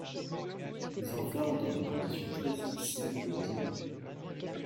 Ils enferment dans des conditions très difficiles de des environs.